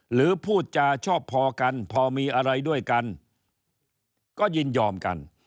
หรือพูดจาชอบพอกันพอมีอะไรด้วยกันก็ยินยอมกัน